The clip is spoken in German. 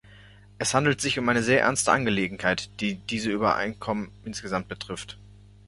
Es handelt sich um eine sehr ernste Angelegenheit, die diese Übereinkommen insgesamt betrifft.